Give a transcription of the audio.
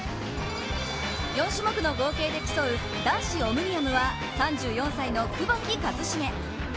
４種目の合計で競う男子オムニアムは３４歳の窪木一茂。